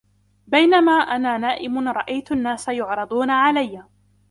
بَيْنَا أَنَا نَائِمٌ رَأَيْتُ النَّاسَ يُعْرَضُونَ عَلَيَّ.